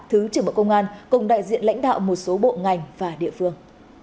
thứ trưởng bộ công an cùng đại diện lãnh đạo một số bộ ngành và địa phương